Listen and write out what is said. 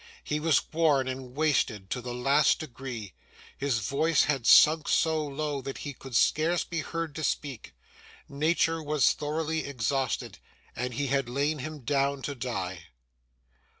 He was worn and wasted to the last degree; his voice had sunk so low, that he could scarce be heard to speak. Nature was thoroughly exhausted, and he had lain him down to die.